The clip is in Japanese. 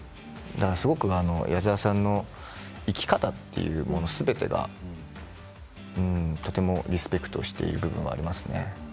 だからすごく矢沢さんの生き方というすべてがとてもリスペクトしている部分がありますね。